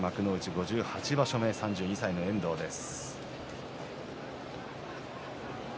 ５８場所目３２歳の遠藤です。